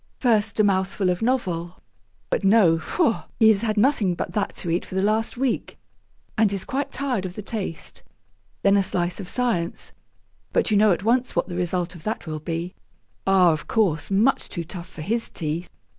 First a mouthful of novel; but no, faugh! he has had nothing but that to eat for the last week, and is quite tired of the taste. Then a slice of science; but you know at once what the result of that will be ah, of course, much too tough for his teeth.